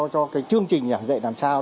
cho cái chương trình giảng dạy làm sao